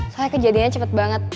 soalnya kejadiannya cepet banget